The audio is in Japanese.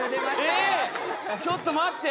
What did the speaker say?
ちょっと待って。